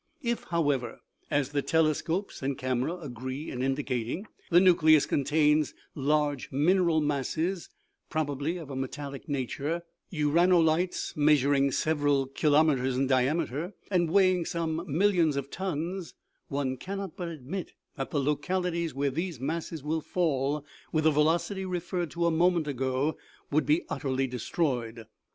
" If, however, as the telescope and camera agree in indicating, the nucleus contains large mineral masses, probably of a metallic nature, uranolites, measuring several kilometers in diameter, and weighing some mill ions of tons, one cannot but admit that the localities where these masses will fall, with the velocity referred to a moment ago, would be utterly destroyed.